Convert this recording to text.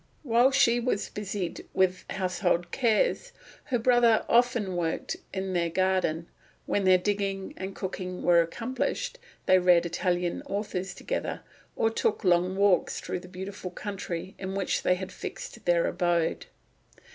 While she was busied with household cares, her brother often worked in their garden; when their digging and cooking were accomplished, they read Italian authors together, or took long walks through the beautiful country in which they had fixed their abode.